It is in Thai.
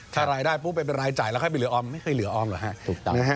ถ้ารายได้ปุ๊บเป็นรายจ่ายแล้วค่อยไปเหลือออมไม่เคยเหลือออมหรอกฮะ